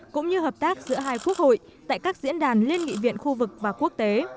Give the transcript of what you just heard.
cũng như hợp tác giữa hai quốc hội tại các diễn đàn liên nghị viện khu vực và quốc tế